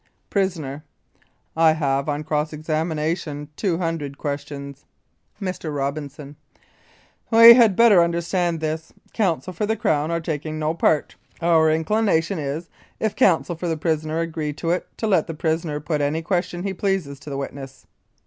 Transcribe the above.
PRISONER: I have on cross examination 200 ques tions. Mr. ROBINSON: We had better understand this. Counsel for the Crown are taking no part. Our inclination is, if counsel for the prisoner agree to it, to let the prisoner put any questions he pleases to the witness.